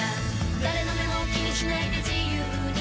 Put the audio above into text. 誰の目も気にしないで自由に